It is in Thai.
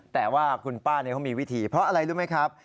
แต่ว่าคุณป้าเขามีวิธีเพราะอะไรรู้ไหมครับ